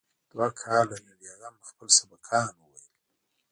دوه کاله مې بې غمه خپل سبقان وويل.